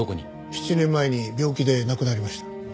７年前に病気で亡くなりました。